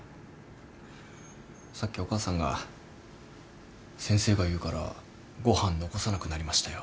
さっきお母さんが「先生が言うからご飯残さなくなりましたよ」